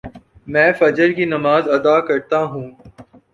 میں فجر کی نماز ادا کر تاہوں